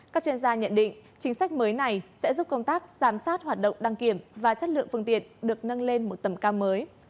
các chuyên gia nhận định chính sách mới này sẽ giúp công tác giám sát hoạt động đăng kiểm và chất lượng phương tiện được nâng lên một tầm cao mới